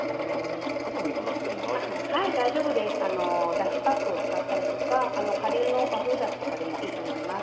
だしパックを使ったりとか顆粒の和風だしとかでもいいと思います。